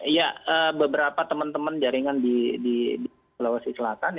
ya beberapa teman teman jaringan di lawas istilahkan